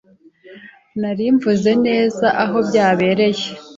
Nari mvuze neza aho byabereye.